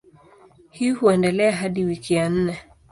Hii huendelea hadi wiki ya nne.